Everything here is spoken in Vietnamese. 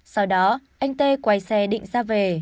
sau đó anh t quay xe định ra về